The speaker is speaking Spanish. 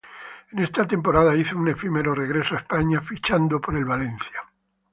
En esa temporada hizo un efímero regreso a España fichando por el Valencia.